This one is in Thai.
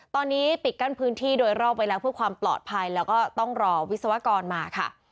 ตอนนี้ปิดกั้นพื้นที่โดยรอบไว้แล้วเพื่อความปลอดภัยแล้วก็ต้องรอวิศวกรมาค่ะ